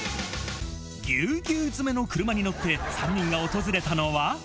ぎゅうぎゅう詰めの車に乗って、３人が訪れたのは。